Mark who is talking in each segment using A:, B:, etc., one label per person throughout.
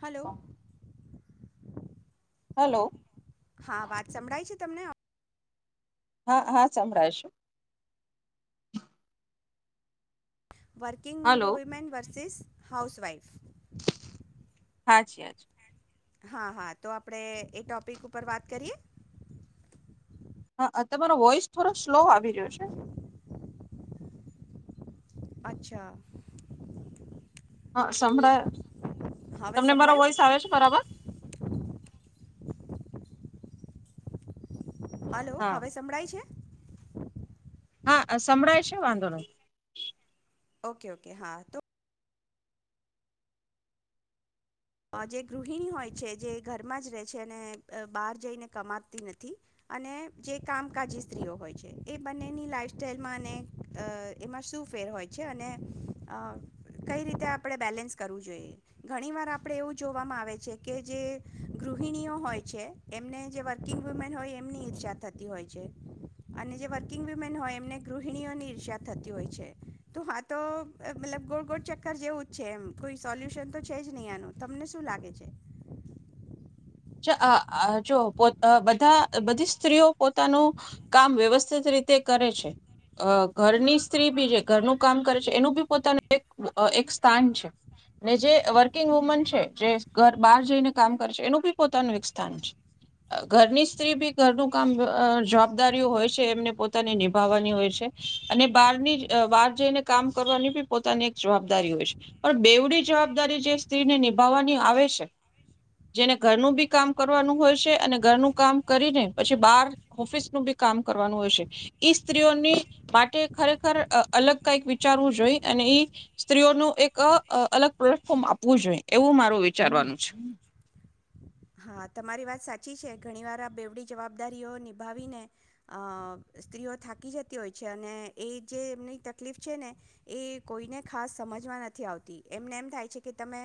A: Hello.
B: Hello.
A: હા વાત સંભળાય છે તમને
B: હા હા સંભળાય છે.
A: Working
B: hello
A: women versus house wife.
B: હા જી હ
A: હા હા તો આપણે એ ટોપિક ઉપર વાત કરીએ.
B: હા તમારો વોઇસ થોડો સ્લો આવી રહ્યો છે.
A: અચ્છા.
B: હા સંભળાય
A: હવે
B: તમને મારો
A: સંભળાયું
B: વોઈસ આવે છે બરાબર.
A: હલો
B: હા
A: હવે સમળાય છે.
B: હા સંભળાય છે વાંધો નહી.
A: ઓકે ઓકે હા તો જે ગૃહિણી હોય છે જે ઘરમાં જ રહે છે અને બહાર જઈને કમાતી નથી અને જે કામકાજી સ્ત્રીઓ હોય છે એ બંનેની લાઈફ સાઈલમાં અને એમાં શું ફેર હોય છે અને કઈ રીતે આપણે બેલેન્સ કરવું જોઈએ ઘણી વાર આપે એવું જોવામાં આવે છે કે જે ગૃહિણીઓ હોય છે એમને જે વર્કિંગ વુમેન હોય એમની ઈર્ષા થતી હોય છે અને જે વર્કિંગ વુમેન હોય એમને ગૃહિણીઓની ઈર્ષા થતી હોય છે તો હા તો મતલબ ગોળ ગોળ ચક્કર જેવું જ છે એમ કોઈ સોલ્યુશન તો છે જ નહીં આનું. તમને શું લાગે છે.
B: ્ જો બધા બધી સ્ત્રીઓ પોતાનું કામ વ્યવસ્થિત રીતે કરે છે ઘરની સ્ત્રી બી જે ઘરનું કામ કરે છે એનું બી પોતાનું સ્થાન છે ને જે વર્કિંગ વુમન છે જે ઘર બહાર જઈને કામ કરે છે એનું બી પોતાનું એક સ્થાન છે ઘરની સ્ત્રી બી ઘરનું કામ જવાબદારીઓ હોય છે એમને પોતાની નિભાવવાની હોય છે અને બહારની બહાર જઈને કામ કરવાની બી પોતાની એક જવાબદારી હોય છે પણ બેવડી જવાબદારી જે સ્ત્રીને નિભાવવાની આવે છે જેને ઘરનું બી કામ કરવાનું હોય છે અને ઘરનું કામ કરીને પછી બહાર ઓફિસનુંું બી કામ કરવાનું હોય છે ઈ સ્ત્રીઓની માટે ખરેખર અલગ કઈક વિચારવું જોઈ અને ઈ સ્ત્રીઓનું એક અલગ પ્લેટફોર્મ આપવું જોઈએ એવું મારું વિચારવાનું છે.
A: હા તમારી વાત સાચી છે ઘણી વાર આ બેવડી જવાબદારીઓ નિભાવીને અ સ્ત્રીઓ થાકી જતી હોય છે અને એ જે એમની તકલીફ છે ને એ કોઈને ખાસ સમજમાં નથી આવતી એમને એમ થાય છે કે તમે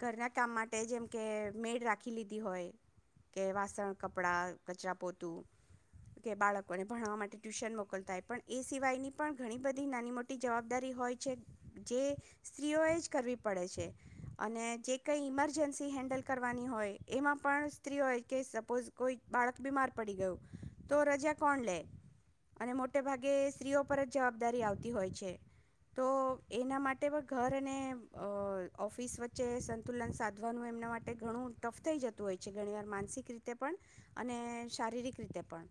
A: ઘરના કામ માટે જેમ કે મેળ રાખ રાખી લીધી હોય કે વાસણ કપડાં કચરા પોતું કે બાળકોને ભણાવવા માટે ટ્યુશન મોકલતા હો પણ એ સિવાયની પણ ઘણી બધી નાની મોટી જવાબદારી હોય છે જે સ્ત્રીઓએ જ કરવી પડે છે અને જે કંઈ ઇમરજન્સી હેન્ડલ કરવાની હોય એમાં પણ સ્ત્રીઓ કે સપોઝ કોઈ બાળક બીમાર પડી ગયું તો રજા કોણ લે અને મોટે ભાગે સ્ત્રીઓ પર જ જવાબદારી આવતી હોય છે તો એના માટે પણ ઘર અને ઓફિસ વચ્ચે સંતુલન સાધવાનું એમના માટે ઘણું ટફ થઈ જતું હોય છે ઘણીવાર માનસિક રીતે પણ અને શારીરિક રીતે પણ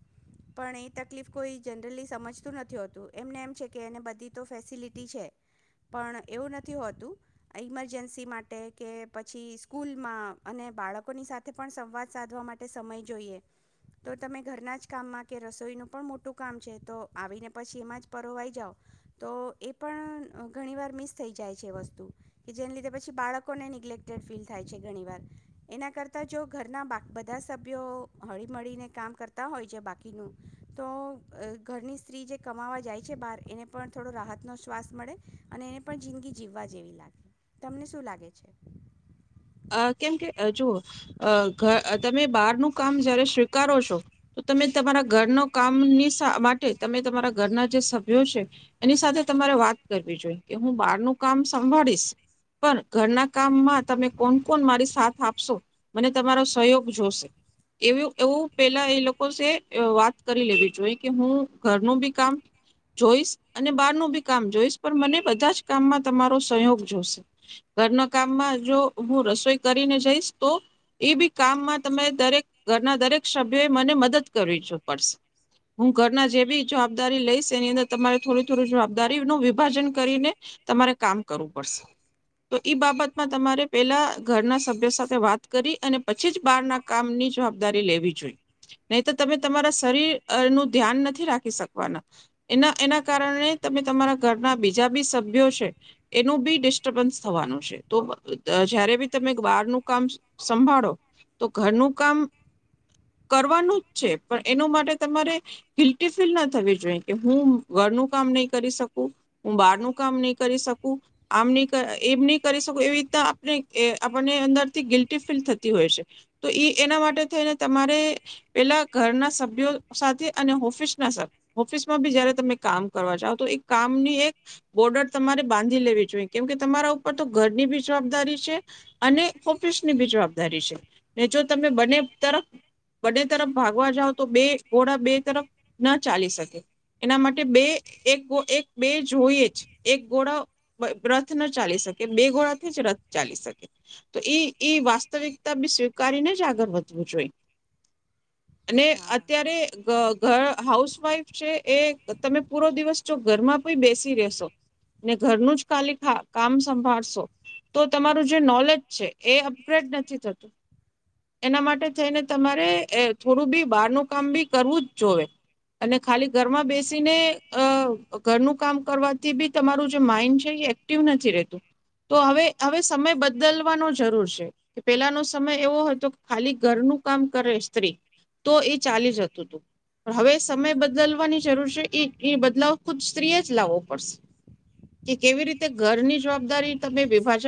A: પણ એ તકલીફ કોઈ જનરલી સમજતું નથી હોતું એમને એમ છે કે એને બધી તો ફેસિલિટી છે પણ એવું નથી હોતું ઇમરજન્સી માટે કે પછી સ્કૂલમાં અને બાળકોની સાથે પણ સંવાદ સાધવા માટે સમય જોઈએ તો તમે ઘરના જ કામમાં કે રસોઈનું પણ મોટું કામ છે તો આવીને પછી એમાં જ પરોવાઈ જાઓ તો એ પણ ઘણી વાર મિસ થઈ જાય છે વસ્તુ કે જેને લીધે પછી બાળકોને નિનેગ્લેક્ટેડ ફીલ થાય છે ઘણી વાર એના કરતાં જો ઘરના બા બધા સભ્યો હળીમળીને કામ કરતા હોય છે બાકીનું તો ઘરની સ્ત્રી જે કમાવા જાય છે બહાર એને પણ થોડો રાહતનો શ્વાસ મળે અને એને પણ જિંદગી જીવવા જેવી લાગે તમને શું લાગે છે.
B: અ કેમ કે જોુ તમે બહારનું કામ જયારે સ્વીકારો છો તો તમે તમારા ઘરના કામની માટે તમે તમારા ઘરના જે સભ્યો છે એની સાથે તમારે વાત કરવી જોઈ કે હું બહારનું કામ સંભાળીશ પણ ઘરના કામમાં તમે કોણ કોણ મારી સાથ આપશો મને તમારો સહયોગ જોશે એવું એવું પેલા એ લોકો વાત કરી લેવી જોઈ કે હું ઘરનું બી કામ જોઈશ અને બારનું બી કામ જોઈશ પણ મને બધા જ કામમાં તમારો સહયોગ જોશે ઘરના કામમાં જો હું રસોઈ કરીને જઈશ તો એ બી કામમાં તરે દરેક ઘરના દરેક સભ્યોએ મને મદદ કરવી જો પડશે હું ઘરના જે બી જવાબદારી લઈશ એની અંદર તમારે થોડી થોડી જવાબદારી નું વિભાજન કરીને તમારે કામ કરવું પડશે તો ઈ બાબતમાં તમારે પેલા ઘરના સભ્ય સાથે વાત કરી અને પછી જ બહાર ના કામની જવાબદારી લેવી જોઈ નહી તો તમે તમારા શરીર નું ધ્યાન નથી રાખી શકવાના એના એના કારણે તમે તમારા ઘરના બીજા બી સભ્યો છે એનું બી ડિસ્ટર્બન્સ થવાનું છે તો જયારે બી તમે બહારનું કામ સંભાળો તો ઘરનું કામ કરવાનું જ છે પણ એનું માટે તમારે ફલ્ટફીલ ના થવી જોઈએ કે હું ઘરનું કામ નહી કરી શકું હું બહારનું કામ નહી કરી શકું આમ નહી એમ નહી કરી શકું એવી રીના આપણને અંદરથી ગિલ્ટી ફીલ થતી હોય છે તો એ એના માટે થઈને તમારે પેલા ઘરના સભ્યો સાથે અને ઓફિસ ના ઓફિસમાં બી જયારે તમે કામ કરવા જાાવ તો એ કામની એક બોર્ડર તમારે બાંધી લેવી જોઈએ કેમ કે તમારા ઉપર તો ઘરની બી જવાબદારી અને ફફિસની બી જવાબદારી છે ને જો તમે બંને તરફ બને તરફ ભાગવા જાવ તો બે ગોળા બે તરફ ના ચાલી શકે એના માટે બે એક એક બે જોઈએ જ એક ગોળ રથ ન ચાલી શકે બે ગોળાથી જ રથ ચાલી શકે તો એ એ વાસ્તવિકતા બી સ્વીકારીને જ આગળ વધવું જોઈ અને
A: હા
B: અત્યારે. ઘ હાઉસવાઈફ છે એ તમે પૂરો દિવસ જો ઘરમાં પણ બેસી રસો ને ઘરનું જ ખાલી કામ સંભાળશો. તો તમારું જે નોલેજ છે એ અપગ્રેડ નથી થતું એના માટે થઈને તમારે થોડું બી બહારનું કામ બી કરવું જ જોએ અને ખાલી ઘરમાં બેસીને ઘરનું કામ કરવાથી બી તમારું જે માઈન્ડ છે એ એક્ટિવ નથી રહેતું તો હવે હવે સમય બદલવાનો જરૂર છે કે પેલાનો સમય એવો હતો કે ખાલી ઘરનું કામ કરે સ્ત્રી તો એ ચાલી જતું હતું પણ હવે સમય બદલવાની જરૂર છે એ એ બદલાવ ખુદ સ્ત્રીએ જ લાવવો પડશે. કે કેવી રીતે ઘરની જવાબદારી તમે વભા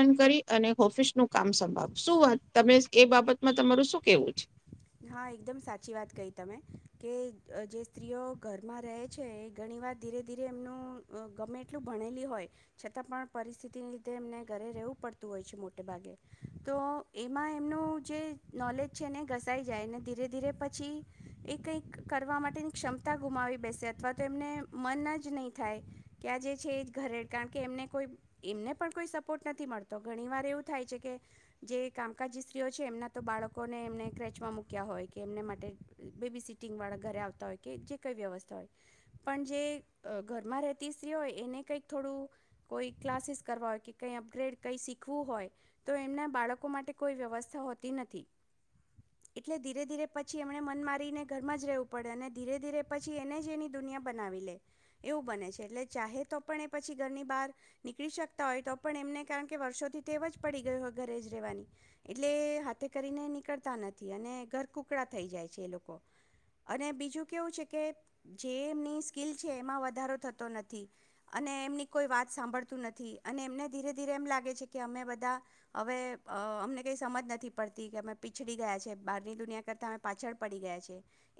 B: અને ઓફિસ નું કામ સંભળ શુંત તમે એ બાબતમાં તમારું શું કેવું છે.
A: હા એકદમ સાચી વાત કહી તમે કે જે સ્ત્રીઓ ઘરમાં રહે છે એ ઘણી વાર ધીરે ધીરે એમનું ગમે એટલું ભણેલી હોય છતાં પણ પરિસ્થિતિને લીધે એમને ઘરે રહેવું પડતું હોય છે મોટે ભાગે તો એમાં એમનું જે નોલેજ છે ને ઘ ાય ધીરે ધીરે પછી એ કંઈક કરવા માટેની ક્ષમતા ગુમાવી બેસે અથવા તો એમને મન જ નહી થાય કે આ જે છે એ ઘરે કારણ કે એમને કોઈ એમને પણ કોઈ સપોર્ટ નથી મળતો ઘણી વાર એવું થાય છે કે જે કામકાજજી સ્ત્રીઓ છે એમના તો બાળકોને એમને કચ ચ મક્યા હોય કે એમને માટે બેબી સિટિંગ વાળા ઘરે આવતા હોય કે જે કઈ વ્યવસ્થા હોય પણ જે ઘરમાં રહેતી સ્ત્રી હોય એને કઈક થોડું કોઈ ક્લાસીસ કરવા હોય કે કઈ અપગ્રેડ કઈ શીખવું હોય તો એમના બાળકો માટે કોઈ વ્યવસ્થા હોતી નથી. એટલે ધીરે ધીરે પછી એમને મન મારીને ઘરમાં જ રહેવું પડે અને ધીરે ધીરે પછી એને જ એની દુનિયા બનાવી લે એવું બને છે એટલે ચાહે તો પણ એ પછી ઘરની બહાર નીકળી શકતા હોય તો પણ એમને કારણ કે વર્ષોથી તેવ જ પડી ગય હોય ઘરે જ રહેવાની એટલે એ હાથે કરીને નીકળતા નથી. અને ઘરકુકડા થઈ જાય છે એ લોકો અને બીજું કેવું છે કે જે એમની સ્કીિલ છે એમાં વધારો થતો નથી અને એમની કોઈ વાત સાંભળતું નથી અને એમને ધીરે ધીરે એમ લાગે છે કે અમે બધા હવે અમને કંઈ સમજ નથી પડતી કે અમે પીછડી ગયા છે બની દુનિયા કરતા પાછળ પડી ગયા છે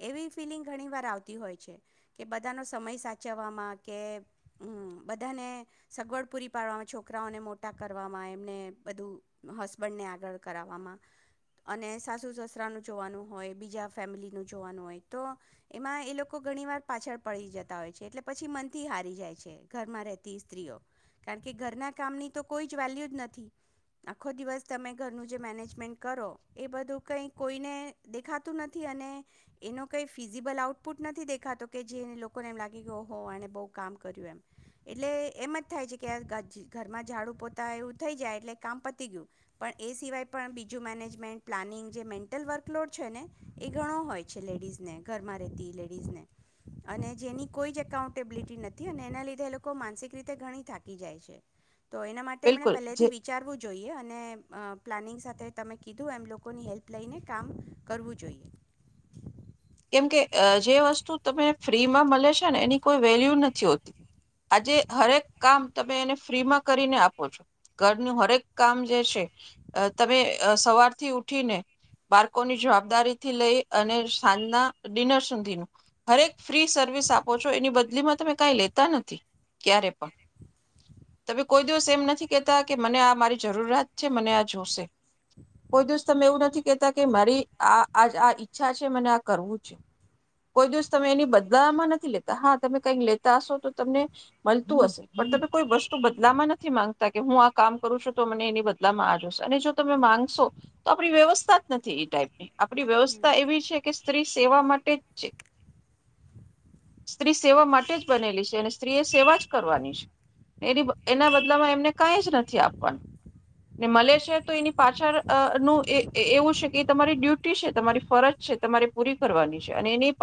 A: એવી ફિલિંગ ઘણી વાર આવતી હોય છે કે બધાનો સમય સાચવવામાં કે બધાને સગવડ પૂરી પાડવામાં છોકરાઓને મોટા કરવામાં એમને બધું હસબન્ડને આગળ કરવામાં- સાસુ સસરાનુંું જોવાનું હોય બીજા ફેમિલીનું જોવાનું હોય તો એમાં એ લોકો ઘણી વાર પાછળ પડી જતા હોય છે એટલે પછી મનથી હારી જાય છે ઘરમાં રહેતી સ્ત્રીઓ કારણ કે ઘરના કામની તો કોઈ જ વેલ્યુ જ નથી આખો દિવસ તમે ઘરનું જે મેનેજમેન્ટ કરો એ બધું. કંઈ કોઈને દેખાતું નથી અને એનો કંઈ ફિઝિબલ આઉટપુટ નથી દેખાતો કે જે લોકોને એમ લાગે કે ઓહ આ બહુ કામ કર્યું એમ એટલે એમ જ થાય છે કે ઘરમાં ઝાડુ પોતા એવું થઈ જાય એટલે કામ પતી ગયું પણ એ સિવાય પણ બીજું મેનેજમેન્ટ પ્લાનિંગ. જે મેન્ટલ વર્કલોડ છે ને એ ઘણો હોય છે લેડીઝને ઘરમાં રહેતી લેડીઝને અને જેની કોઈ જ એકાઉન્ટેબિલિટી નથી અને એના લીધે એ લોકો માનસિક રીતે ઘણી થાકી જાય છે.. તો એના માટે એમણે
B: બિલકુલ
A: પહેલેથી
B: જે
A: વિચારવું જોઈએ અને પ્લાનિંગ્ સાથે તમે કીધું એમ લોકોની હેલ્પ લઈને કામ કરવું જોઈએ.
B: કેમ કે જે વસ્તુ તને ફ્રીમાં મળે છે ને એની કોઈ વેલ્યુ નથી હોતી આજે હરેક કામ તમે એને ફ્રીમાં કરીને આપો છો ઘરનું હરેક કામ જે છે તમે સવારથી ઉઠીને બાળકોની જવાબદારી થી લઈ અને. થાદના ડિનર સુધીનું હરેક ફ્રી સર્વિસ આપો છો એની બધ. બદલીમાં તમે કઈ લેતા નથી ક્યારે પણ તમે કોઈ દિવસ એમ નથી કેતા કે મને આ મારી જરૂરિયાત છે મને આ જોશે કોઈ દિવસ તમે એવું નથી કેતા કે મારી આ આ ઈચ્છા છે મને. કરવું છે કોઈ દિવસ તમે એની બદલામાં નથી લેતા હા તમે કઈક લેતા હશો તો તમને મળતું હશે પણ તમે કોઈ વસ્તુ બદલામાં નથી માંગતા કે હું આ કામ કરું છું તો મને એની બદલામાં આજશ અને જો તમે માંગશો તો આપણી વ્યવસ્થા જ નથી એ ટાઈપ ની. આપડી વ્યવસ્થા
A: હમ
B: એવી છે. સેવા માટે છે સ્ત્રી સેવા માટે જ બનેલી છે અને સ્ત્રી એ સેવા જ કરવાની છે એની એના બદલામાં એમને કાંઈ જ નથી આપવાનું ને મળે છે તો એની પાછળ નું એવું છે કે તમારી ડ્યુટી છે તમારી ફરજ. તમારે પૂરી કરવાની છે અને એની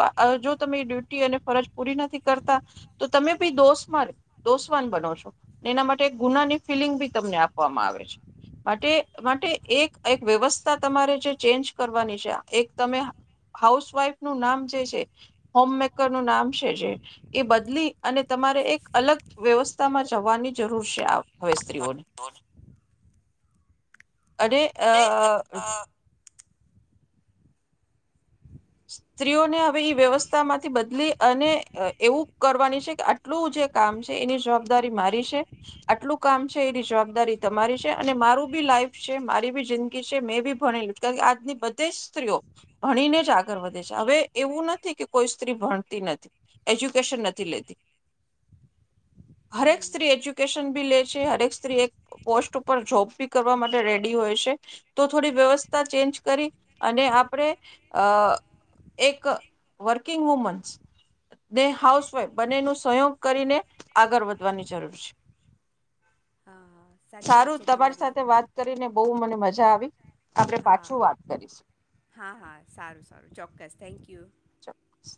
B: જો તમે ડ્યુટી અને ફરજ પૂરી નથી કરતા તો તમે બી દોષમાં દોસ્વાન બનો છો એના માટે ગુનાની ફિલિંગ બી તમને આપવામાં આવે છે માટે માટે એક એક વ્યવસ્થા તમારે જે ચેન્જ કરવાની છે એક. તમે હાઉસવાઈફ નું નામ જે છે હોમ મેકર નું નામ છે જે એ બદલી અને તમારે એક અલગ વ્યવસ્થામાં જવાની જરૂર છે હવે સ્ત્રીઓને અને. અ. સ્ત્રીઓને હવે વ્યવસ્થા માંથી બદલી અને એવું કરવાની છે કે આટલું જે કામ છે એની જવાબદારી મારી છે આટલું કામ છે એની જવાબદારી તમારી છે અને મારું બી લાઈફ છે મારી બી જિંદગી છે મેં બી ભણીલું કારણ કે આજની બધે સ્ત્રીઓ ભણીને જ આ. કરવા દે છે હવે એવું નથી કે કોઈ સ્ત્રી ભણતી નથી એજ્યુકેશન નથી લેતી. હરેક
A: હમ.
B: સ્ત્રી એજ્યુકેશન. ી લે છે હક સ્ત્રી એક પોસ્ટ ઉપર જોબ બી કરવા માટે રેડી હોય છે તો થોડી વ્યવસ્થા ચેન્જ કરી અને આપણે અ. એક વર્કિંગ વુમન્સ ને હાઉસવાઇફ બનેનો સહયોગ કરીને આગળ વધવાની જરૂર છે.
A: હા હા સાચી વાત
B: સારું
A: છે
B: તમારી સાથે વાત કરીને. બહુ મને મજા આવી. આપણે
A: હા
B: પાછું વાત કરીશું.
A: હા હા સારું સારું ચોક્કસ. Thank you.
B: ચોક્કસ.